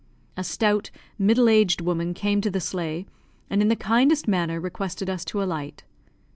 A stout, middle aged woman came to the sleigh, and in the kindest manner requested us to alight.